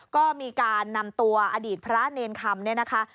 ก็มีการนำตัวอดีตพระเนรนคำ